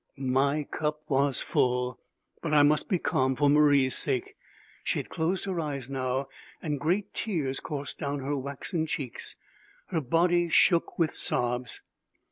My cup was full. But I must be calm for Marie's sake. She had closed her eyes now and great tears coursed down her waxen cheeks. Her body shook with sobs.